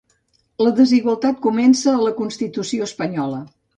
La desigualtat comença a la constitució espanyola.